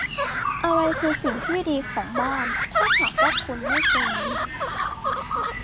อะไรคือสิ่งที่ดีของบ้าน ถ้าหากว่าคุณไม่เคยมี